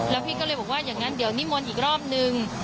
แล้วพี่ก็เลยบอกว่าอย่างนั้นเดี๋ยวนิมนต์อีกรอบนึง